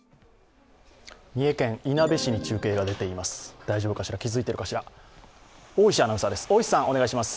三重県いなべ市に中継が出ています。